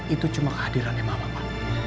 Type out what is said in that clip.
itu cuma kehadirannya mama